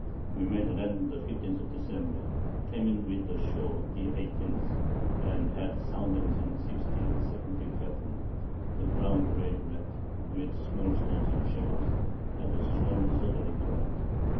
We made Land the 15th of December, came in with the Shoar the 18th, and had Soundings in 60 and 70 Fathom, the Ground grey Grett, with small Stones and Shells; had a strong Southerly Current, S.